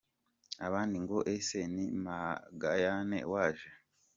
Abandi ngo ese ni Magayane waje